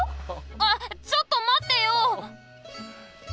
あっちょっとまってよ！